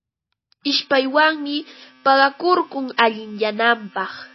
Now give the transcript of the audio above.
Ishpaywanmi paqakurkun allinyananpaq.